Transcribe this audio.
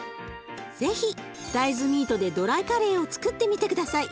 是非大豆ミートでドライカレーをつくってみて下さい。